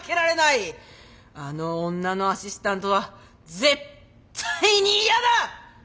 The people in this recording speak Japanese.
あの女のアシスタントは絶対に嫌だ！